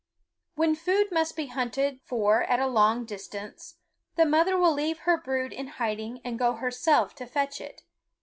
When food must be hunted for at a long distance, the mother will leave her brood in hiding and go herself to fetch it.